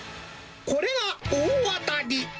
これが大当たり。